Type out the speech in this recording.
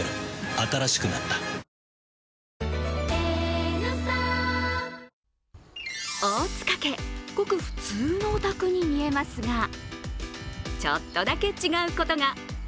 新しくなった大塚家、ごく普通のお宅に見えますがちょっとだけ違うことが。